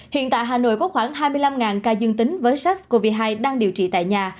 hiện tại hà nội có khoảng hai mươi năm ca dương tính với sars cov hai đang điều trị tại nhà